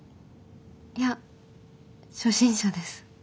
いや初心者です。